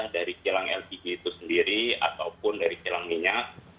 dari kilang lpg itu sendiri ataupun dari kilang minyak